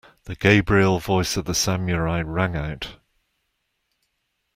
The Gabriel voice of the Samurai rang out.